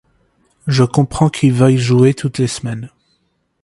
Je comprends qu'il veuille jouer toutes les semaines.